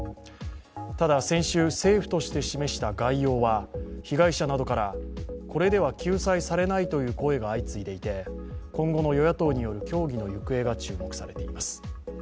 ただ、先週、政府として示した概要は被害者などからこれでは救済されないという声が相次いでいて今後の与野党による協議の行方が注目されています。